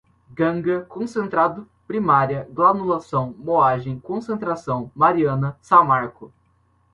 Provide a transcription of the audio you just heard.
ganga, concentrado, primária, granulação, moagem, concentração, mariana, samarco